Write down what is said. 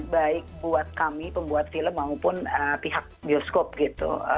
baik buat kami pembuat film maupun pihak bioskop gitu